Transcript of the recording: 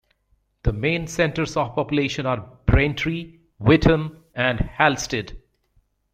The main centres of population are Braintree, Witham and Halstead.